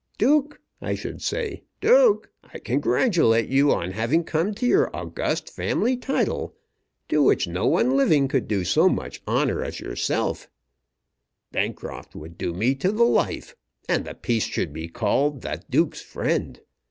'Duke,' I should say 'Duke, I congratulate you on having come to your august family title, to which no one living could do so much honour as yourself.' Bancroft should do me. Bancroft would do me to the life, and the piece should be called the Duke's Friend.